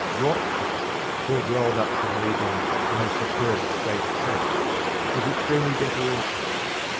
Vorza, who had rolled up to the meeting in his superb state coach, was extremely deferential.